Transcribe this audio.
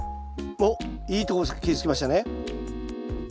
おっいいとこ気付きましたね。